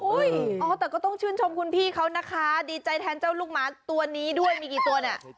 แต่ก็ต้องชื่นชมคุณพี่เขานะคะดีใจแทนเจ้าลูกหมาตัวนี้ด้วยมีกี่ตัวเนี่ย